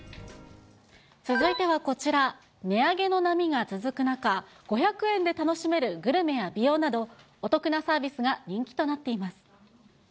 続いてはこちら、値上げの波が続く中、５００円で楽しめるグルメや美容など、お得なサービスが人気となっています。